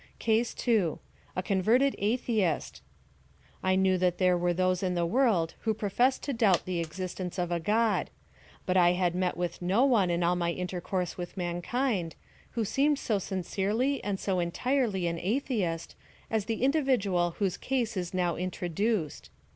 CASE 2.— A converted Atheist. I knew that there were those in the world who professed to doubt the existence of a God ; but I had met with no one in all my intercourse with mankind, who seemed so sincerely and so entirely an atheist, as the individual whose case is now introduced.